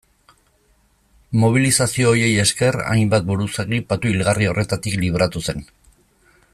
Mobilizazio horiei esker hainbat buruzagi patu hilgarri horretatik libratu zen.